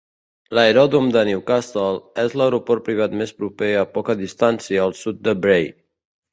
L'aeròdrom de Newcastle és l'aeroport privat més proper a poca distància al sud de Bray.